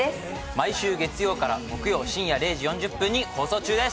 毎週月曜から木曜深夜０時４０分に放送中です